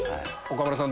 岡村さん